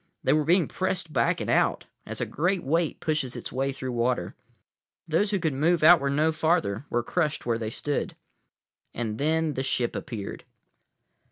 They were being pressed back and out, as a great weight pushes its way through water. Those who could move outward no farther were crushed where they stood. And then the ship appeared.